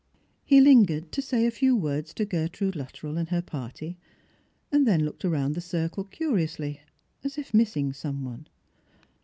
He Hngered to say a few words to Gertrude Luttrell and her party, and then looked round the circle curiously, as if missing some one.